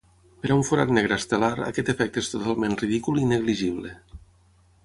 Per a un forat negre estel·lar aquest efecte és totalment ridícul i negligible.